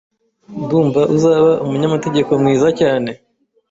Ndumva uzaba umunyamategeko mwiza cyane.